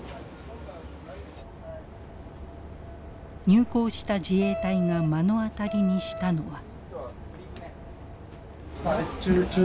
入港した自衛隊が目の当たりにしたのは。